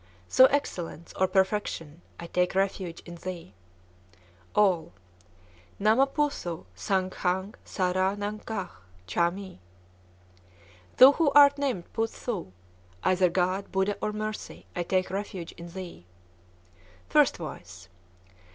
(Thou Excellence, or Perfection! I take refuge in thee.) All. Nama Poothô sâng Khâng sârâ nang gâch' châ mi! (Thou who art named Poot tho! either God, Buddha, or Mercy, I take refuge in thee.) _First Voice.